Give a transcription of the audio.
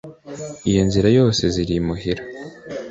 Iyo nzira yose ziri n'imuhira